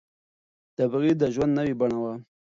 تبعيد د ژوند نوې بڼه وه.